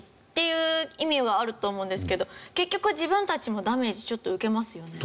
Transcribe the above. いう意味はあると思うんですけど結局自分たちもダメージちょっと受けますよね。